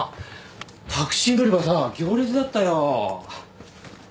タクシー乗り場さ行列だったよ。